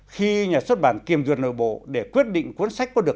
khi nhà xuất bản kiểm duyệt nội bộ để quyết định cuốn sách có được